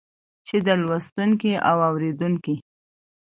چې د لوستونکي او اورېدونکي